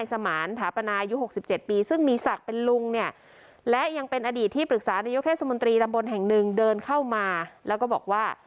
ศาลนายกเทศมนตรีตำบลแห่งหนึ่งเดินเข้ามาแล้วก็บอกว่า